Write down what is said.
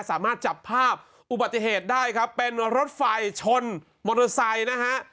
สามารถจับภาพอุบัติเหตุได้ครับเป็นรถไฟชนมอเตอร์ไซค์นะฮะ